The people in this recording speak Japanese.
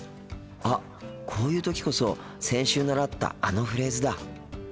あこういう時こそ先週習ったあのフレーズだ！